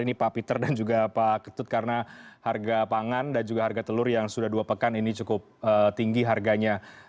ini pak peter dan juga pak ketut karena harga pangan dan juga harga telur yang sudah dua pekan ini cukup tinggi harganya